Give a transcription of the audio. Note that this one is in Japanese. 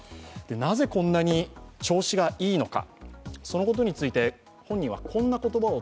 なぜこんなに調子がいいのか。